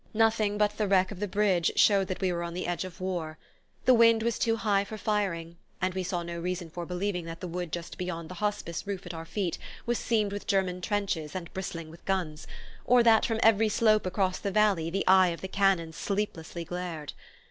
Nothing but the wreck of the bridge showed that we were on the edge of war. The wind was too high for firing, and we saw no reason for believing that the wood just behind the Hospice roof at our feet was seamed with German trenches and bristling with guns, or that from every slope across the valley the eye of the cannon sleeplessly glared.